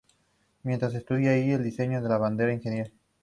Mientras estudiaba allí, diseñó la bandera nigeriana.